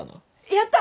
やった！